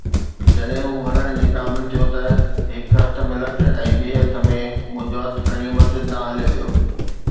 جڏهن هو هلڻ جي قابل ٿيو ته هڪ هٿ ۾ لٺ ۽ ٻئي هٿ ۾ منهنجو هٿ کڻي مسجد ڏانهن هليو ويو